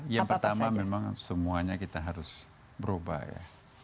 yang pertama memang semuanya kita harus berubah ya